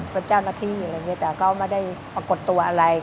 แต่เจ้าหน้าที่ก็ไม่ได้ปรากฏตัวอะไร